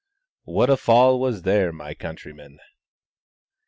"What a fall was there, my countrymen!"